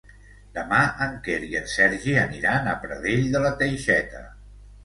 Demà en Quer i en Sergi aniran a Pradell de la Teixeta.